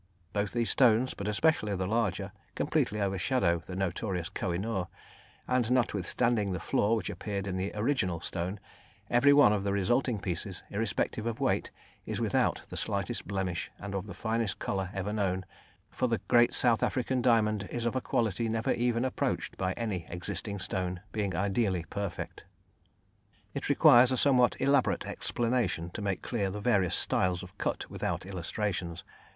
Both these stones, but especially the larger, completely overshadow the notorious Koh i nûr, and notwithstanding the flaw which appeared in the original stone, every one of the resulting pieces, irrespective of weight, is without the slightest blemish and of the finest colour ever known, for the great South African diamond is of a quality never even approached by any existing stone, being ideally perfect. It requires a somewhat elaborate explanation to make clear the various styles of cut without illustrations.